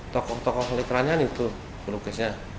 tokoh tokoh lekra nya itu pelukisnya